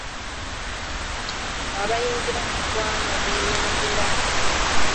Abayingira mu ggwanga beeyongerera nnyo.